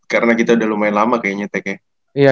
karena kita udah lumayan lama kayaknya